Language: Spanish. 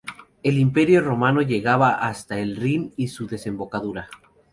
El Imperio romano llegaba hasta el Rin y su desembocadura.